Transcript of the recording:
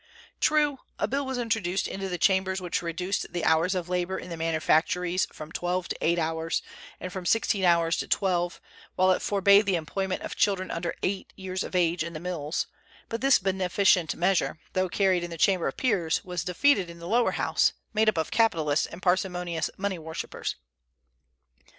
True, a bill was introduced into the Chambers which reduced the hours of labor in the manufactories from twelve to eight hours, and from sixteen hours to twelve, while it forbade the employment of children under eight years of age in the mills; but this beneficent measure, though carried in the Chamber of Peers, was defeated in the lower house, made up of capitalists and parsimonious money worshippers.